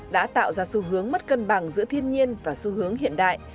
đã tạo ra xu hướng mất cân bằng giữa thiên nhiên và xu hướng hiện đại